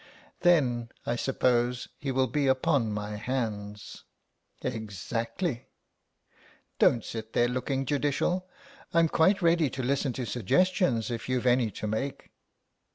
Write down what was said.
"Then I suppose he will be upon my hands." "Exactly." "Don't sit there looking judicial. I'm quite ready to listen to suggestions if you've any to make."